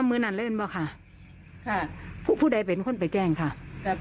กับพี่เคยกับพี่สาว